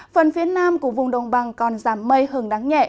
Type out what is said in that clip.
phần phía nam của vùng đông bằng còn giảm mây hừng đáng nhẹ